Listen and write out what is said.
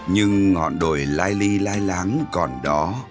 nhưng ngọn đồi lai ly lai láng còn đó